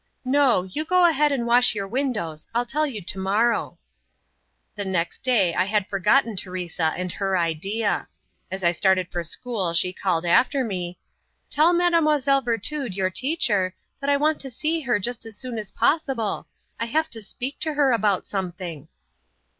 "No! You go ahead and wash your windows. I'll tell you tomorrow." The next day I had forgotten Teresa and her "idea." As I started for school she called after me, "Tell Mademoiselle Virtud, your teacher, that I want to see her just as soon as possible I have to speak to her about something."